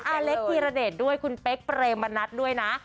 อเล็กธีรเดชด้วยคุณเป๊กเปรมมณัฐด้วยนะ